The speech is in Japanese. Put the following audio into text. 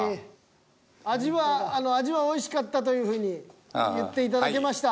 味はおいしかったというふうに言っていただけました。